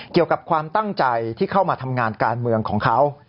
เกี่ยวกับความตั้งใจที่เข้ามาทำงานการเมืองของเขา